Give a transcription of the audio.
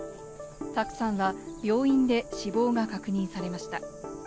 卓さんは病院で死亡が確認されました。